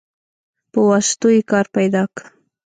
په واسطو يې کار پيدا که.